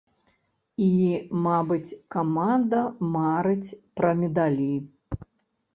І, мабыць, каманда марыць пра медалі.